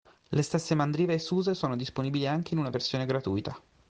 Le stesse Mandriva e Suse sono disponibili anche in una versione gratuita.